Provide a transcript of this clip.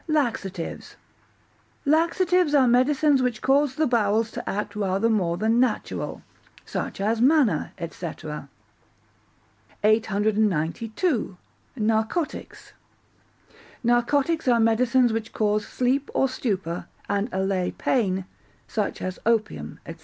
Laxatives Laxatives are medicines which cause the bowels to act rather more than natural, such as manna, &c. 892. Narcotics Narcotics are medicines which cause sleep or stupor, and allay pain, such as opium, &c.